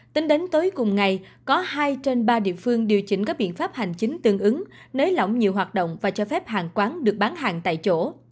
tính đến tối cùng ngày có hai trên ba địa phương điều chỉnh các biện pháp hành chính tương ứng nới lỏng nhiều hoạt động và cho phép hàng quán được bán hàng tại chỗ